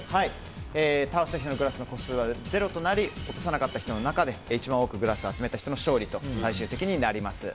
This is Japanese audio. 倒すグラスの個数はゼロとなり落とさなかった人の中で一番多くグラスを集めた人の勝利となります。